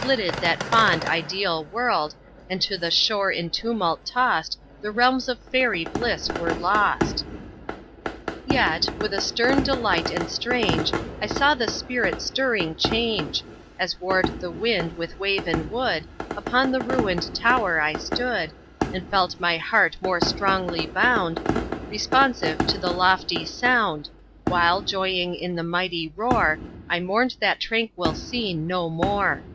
Flitted that fond ideal world, And to the shore in tumult tost The realms of fairy bliss were lost. Yet, with a stern delight and strange, I saw the spirit stirring change, As warr'd the wind with wave and wood, Upon the ruin'd tower I stood, And felt my heart more strongly bound, Responsive to the lofty sound, While, joying in the mighty roar, I mourn'd that tranquil scene no more.